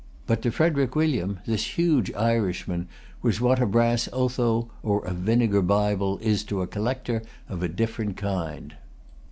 But to Frederic William, this huge Irishman was what a brass Otho, or a Vinegar Bible, is to a collector of a different kind.